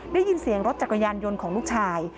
ได้ยินเสียงรถจักรยานยนต์ของลูกชาย